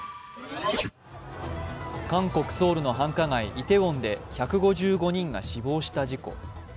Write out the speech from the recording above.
韓国・ソウルの繁華街・イテウォンで１５５人が死亡した事故。